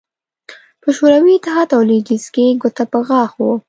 په شوروي اتحاد او لوېدیځ کې ګوته په غاښ وو